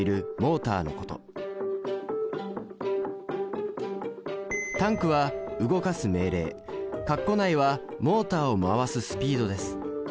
「ｔａｎｋ」は動かす命令。括弧内はモータを回すスピードです。